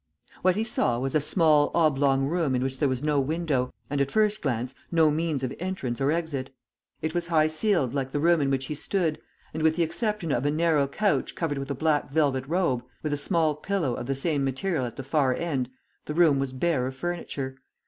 What he saw was a small oblong room in which there was no window, and, at first glance, no means of entrance or exit. It was high ceiled like the room in which he stood, and, with the exception of a narrow couch covered with a black velvet robe, with a small pillow of the same material at the far end, the room was bare of furniture.